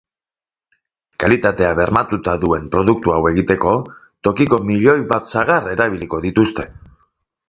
Kalitatea bermatuta duen produktu hau egiteko, tokiko milioi bat sagar erabiliko dituzte.